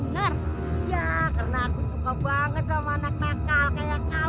ngerti ya karena aku suka banget sama anak nakal kayak kamu